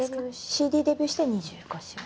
ＣＤデビューして２５周年。